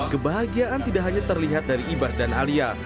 kebahagiaan tidak hanya terlihat dari ibas dan alia